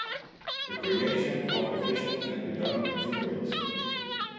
The creation of the vision can be done in two ways.